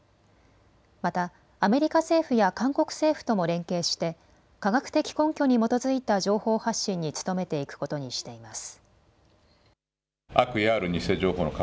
またアメリカ政府や韓国政府とも連携して科学的根拠に基づいた情報発信に努めていくことにしています。